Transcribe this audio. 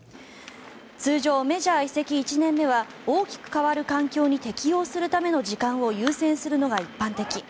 通常、メジャー移籍１年目は大きく変わる環境に適応するための時間を優先するのが一般的。